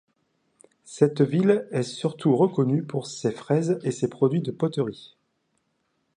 Cette ville est surtout reconnue pour ses fraises et ses produits de poteries.